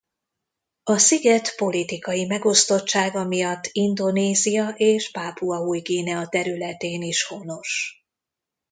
A sziget politikai megosztottsága miatt Indonézia és Pápua Új-Guinea területén is honos.